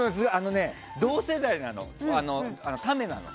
同世代なの。